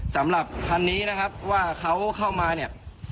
สำหรับคันนี้นะครับว่าเขาเข้ามาเนี่ย